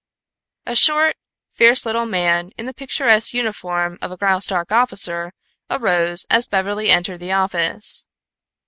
A short, fierce little man in the picturesque uniform of a Graustark officer arose as Beverly entered the office.